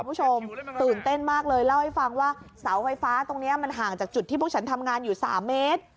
คุณผู้ชมตื่นเต้นมากเลยเล่าให้ฟังว่าเสาไฟฟ้าตรงนี้มันห่างจากจุดที่พวกฉันทำงานอยู่๓เมตร